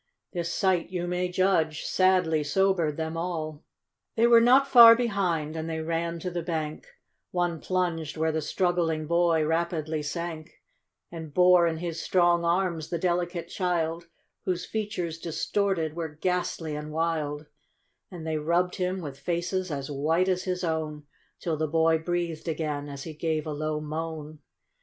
This sight, you may judge, sadly sobered them all. They were not far behind, and they ran to the bank; One plunged where the struggling hoy rapidly sank, And bore in his strong arms the delicate child, Whose features distorted, were ghastly and wild ; And they rubbed him, with faces as white as his own, Till the boy breathed again, as he gave a low moan.